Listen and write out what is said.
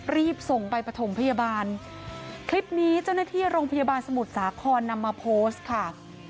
รีบส่งไปประถมพยาบาลคลิปนี้เจ้าหน้าที่โรงพยาบาลสมุทรสาครนำมาโพสต์ค่ะ